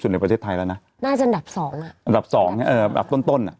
ในประเทศไทยแล้วนะน่าจะดับ๒อ่ะดับ๒อ่ะเออดับต้นอ่ะ